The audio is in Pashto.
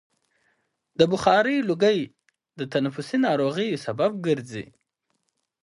د بخارۍ لوګی د تنفسي ناروغیو سبب ګرځي.